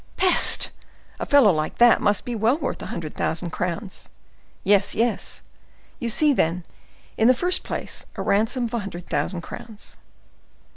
"Peste! a fellow like that must be well worth a hundred thousand crowns." "Yes, yes!" "You see, then—in the first place, a ransom of a hundred thousand crowns."